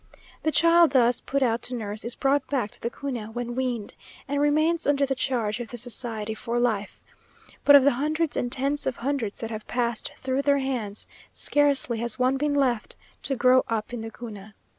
The child thus put out to nurse, is brought back to the Cuna when weaned, and remains under the charge of the society for life; but of the hundreds and tens of hundreds that have passed through their hands, scarcely has one been left to grow up in the Cuna.